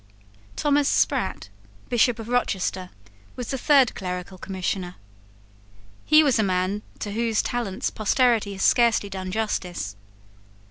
Thomas Sprat, Bishop of Rochester, was the third clerical Commissioner. He was a man to whose talents posterity has scarcely done justice.